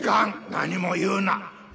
何も言うな」